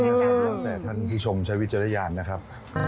ตั้งแต่ท่านผู้ชมชาววิทยาลัยนะครับ